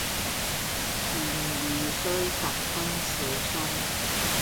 然而須十分小心。